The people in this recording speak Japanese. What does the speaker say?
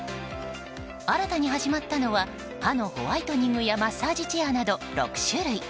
新たに始まったのは歯のホワイトニングやマッサージチェアなど６種類。